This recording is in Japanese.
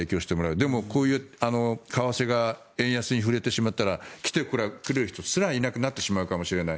でも、為替が円安に振れてしまったら来てくれる人すらいなくなってしまうかもしれない。